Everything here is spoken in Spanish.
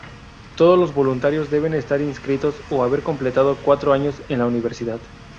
Todos los voluntarios deben estar inscritos o haber completado cuatro años en la universidad.